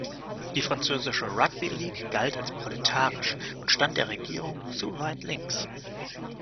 Die französische "Rugby League" galt als „proletarisch“ und stand der Regierung zu weit links.